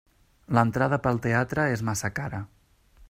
L'entrada per al teatre és massa cara.